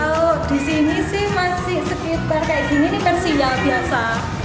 kalau di sini sih masih sekitar kayak gini persia biasa